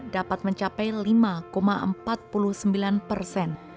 dapat mencapai lima empat puluh sembilan persen